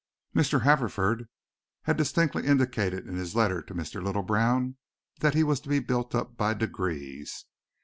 Mr. Haverford had distinctly indicated in his letter to Mr. Litlebrown that he was to be built up by degrees.